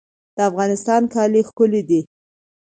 د افغانستان کالي ښکلي دي